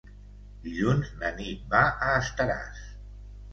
Dilluns na Nit va a Estaràs.